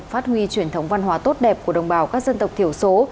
phát huy truyền thống văn hóa tốt đẹp của đồng bào các dân tộc thiểu số